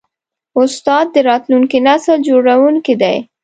استاد د راتلونکي نسل جوړوونکی دی.